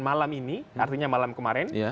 malam ini artinya malam kemarin